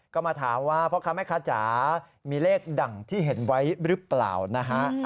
ก็มาถามว่าพ่อค้าแม่ค้าจ๋ามีเลขดั่งที่เห็นไว้หรือเปล่านะฮะ